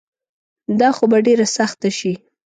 دا خو به ډیره سخته شي